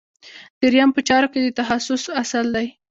دریم په چارو کې د تخصص اصل دی.